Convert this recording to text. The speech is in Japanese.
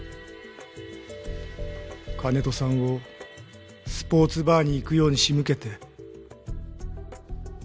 金戸さんをスポーツバーに行くように仕向けて。